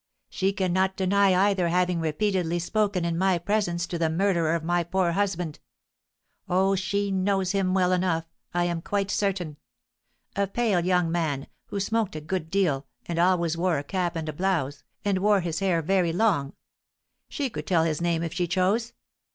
She cannot deny either having repeatedly spoken in my presence to the murderer of my poor husband. Oh, she knows him well enough, I am quite certain; a pale young man, who smoked a good deal, and always wore a cap and a blouse, and wore his hair very long; she could tell his name if she chose.